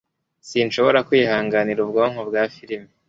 Sinshobora kwihanganira ubwoko bwa firime